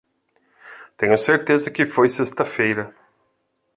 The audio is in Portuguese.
Tenho certeza que foi sexta-feira.